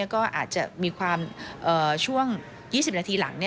ก็อาจจะมีความช่วง๒๐นาทีหลัง